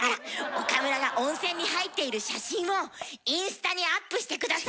岡村が温泉に入ってる写真をインスタにアップして下さい！